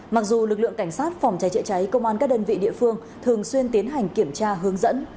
mặc dù lực lượng cảnh sát phòng trái trễ trái công an các đơn vị địa phương thường xuyên tiến hành kiểm tra hướng dẫn